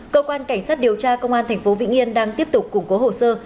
cơ quan cảnh sát điều tra công an thành phố vĩnh yên đang tiếp tục củng cố hồ sơ